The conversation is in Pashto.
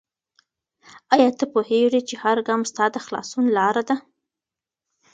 آیا ته پوهېږې چې هر ګام ستا د خلاصون لاره ده؟